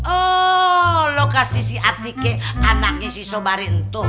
oh lo kasih si atika anaknya si sobarin tuh